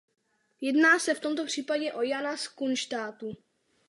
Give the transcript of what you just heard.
Jedná se v tomto případě o Jana z Kunštátu.